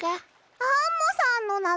アンモさんのなの？